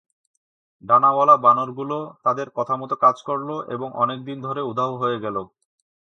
ডানাওয়ালা বানরগুলো তাদের কথামত কাজ করল এবং অনেক দিন ধরে উধাও হয়ে গেল।